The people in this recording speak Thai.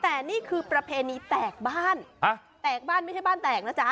แต่นี่คือประเพณีแตกบ้านแตกบ้านไม่ใช่บ้านแตกนะจ๊ะ